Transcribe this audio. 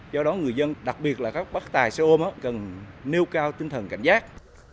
do đó người dân đặc biệt là các bác tài xe ôm cần nêu cao tinh thần cảnh giác